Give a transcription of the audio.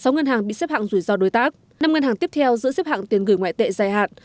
sáu ngân hàng bị xếp hạng rủi ro đối tác năm ngân hàng tiếp theo giữ xếp hạng tiền gửi ngoại tệ dài hạn